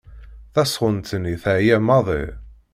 Tasɣunt-nni teεya maḍi.